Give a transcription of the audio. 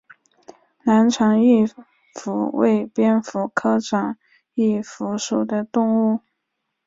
南长翼蝠为蝙蝠科长翼蝠属的动物。